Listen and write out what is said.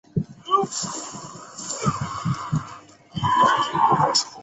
奥尔河畔勒普若。